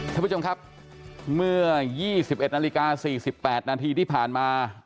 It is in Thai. ท่านผู้ชมครับเมื่อ๒๑นาฬิกา๔๘นาทีที่ผ่านมา